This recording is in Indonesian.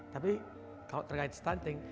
tapi kalau terkait stunting